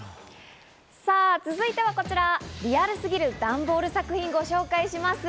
続いてはこちら、リアルすぎるダンボール作品ご紹介します。